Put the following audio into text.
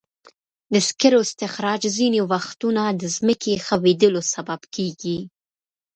د سکرو استخراج ځینې وختونه د ځمکې ښویېدلو سبب کېږي.